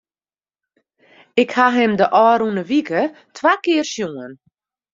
Ik ha him de ôfrûne wike twa kear sjoen.